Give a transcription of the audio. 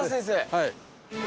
はい。